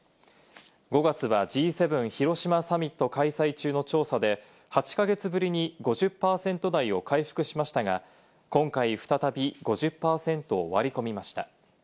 ５月はＧ７広島サミット開催中の調査で８か月ぶりに５０％台を回復しましたが、今回再び５０％を割り込みました。